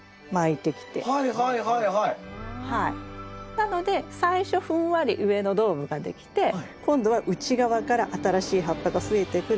なので最初ふんわり上のドームができて今度は内側から新しい葉っぱが増えてくるので。